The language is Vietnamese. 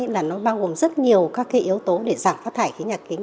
là nó bao gồm rất nhiều các cái yếu tố để giảm phát thải khí nhà kính